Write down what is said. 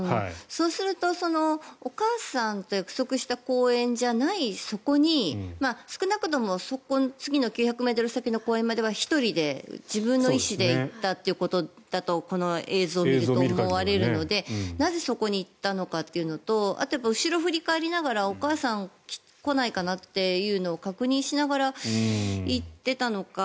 そうすると、お母さんと約束した公園じゃないそこに少なくとも次の９００ｍ先の公園までは１人で自分の意思で行ったということだとこの映像を見ると思われるのでなぜそこに行ったのかというのとあと、後ろを振り返りながらお母さん来ないかなというのを確認しながら行ってたのか。